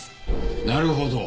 なるほど。